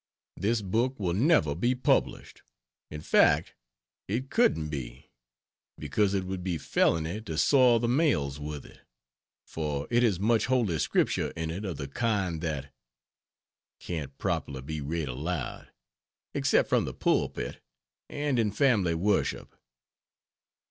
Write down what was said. This book will never be published in fact it couldn't be, because it would be felony to soil the mails with it, for it has much Holy Scripture in it of the kind that... can't properly be read aloud, except from the pulpit and in family worship.